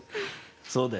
そうだよね。